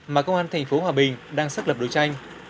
mà công an thành phố hòa bình đang xác lập đối tranh